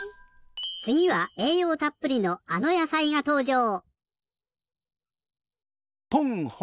つぎはえいようたっぷりのあのやさいがとうじょう。